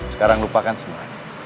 sekarang lupakan semuanya